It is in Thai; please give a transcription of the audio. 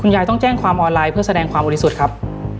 ยายต้องแจ้งความออนไลน์เพื่อแสดงความบริสุทธิ์ครับ